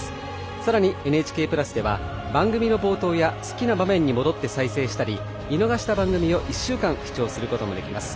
さらに「ＮＨＫプラス」では番組の冒頭や好きな場面に戻って再生したり見逃した番組を１週間視聴することもできます。